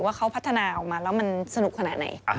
ว่าเขาพัฒนาออกมาแล้วมันสนุกขนาดไหน